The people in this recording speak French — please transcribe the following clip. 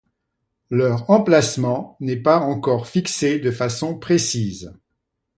Leur emplacement n'est pas encore fixé de façon précise.